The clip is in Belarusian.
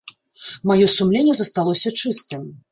Маё сумленне засталося чыстым.